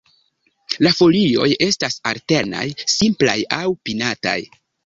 La folioj estas alternaj, simplaj aŭ pinataj.